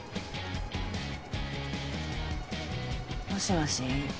もしもし？